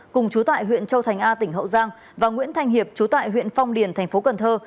cùng chú tại huyện châu thành a tỉnh hậu giang và nguyễn thanh hiệp trú tại huyện phong điền thành phố cần thơ